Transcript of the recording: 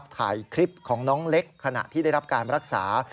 ถ่ายคลิปของน้องเล็กขณะที่ได้รับการรักษา